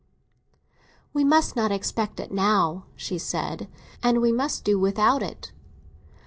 "We must not expect it now," she said, "and we must do without it."